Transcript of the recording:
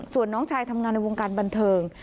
ส่วนน้องชายทำงานในวงการบันเทิง